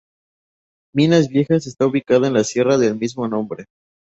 Minas Viejas está ubicada en la sierra del mismo nombre.